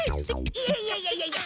いやいやいやいやいや！